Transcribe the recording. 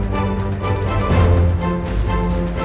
pray olhar nih